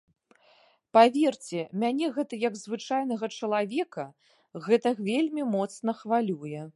Паверце, мяне гэта як звычайнага чалавека гэта вельмі моцна хвалюе.